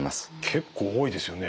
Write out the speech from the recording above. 結構多いですよね。